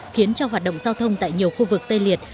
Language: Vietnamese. khiến cho hoạt động giao thông tại nhiều khu vực tê liệt